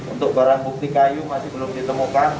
untuk barang bukti kayu masih belum ditemukan